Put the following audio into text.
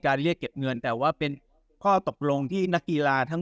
การเรียกเก็บเงินแต่ว่าปีค้อตกลงที่นทาง